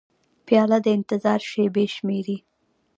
پیاله د انتظار شېبې شمېري.